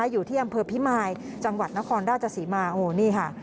อยู่ที่อำเภอพิมายจังหวัดนครราชศรีมาโอ้นี่ค่ะ